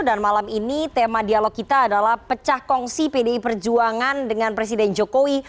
dan malam ini tema dialog kita adalah pecah kongsi pdi perjuangan dengan presiden jokowi